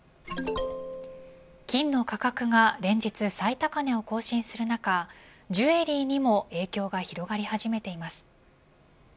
金の価格が連日最高値を更新する中ジュエリーにも影響が広がり始めています。